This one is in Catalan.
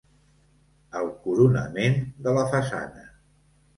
El coronament de la façana.